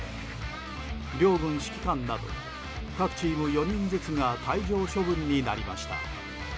両軍指揮官など各チーム４人ずつが退場処分になりました。